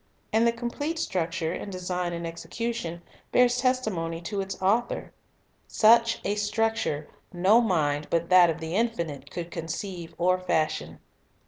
And the complete structure, in design and execution, bears testimony to its Author. Such a structure no mind but that of the Infinite could conceive or fashion.